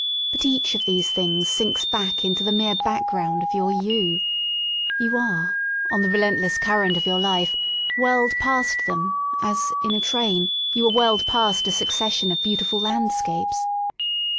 But each of these things sinks back into the mere background of your you* You are, on the relentless current of your life, whirled past them aS| in a train, you are whirled past a succession of beautiful landscapes.